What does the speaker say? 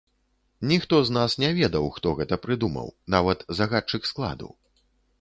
Ніхто з нас не ведаў, хто гэта прыдумаў, нават загадчык складу.